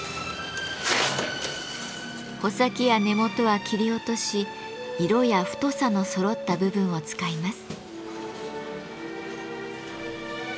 穂先や根元は切り落とし色や太さのそろった部分を使います。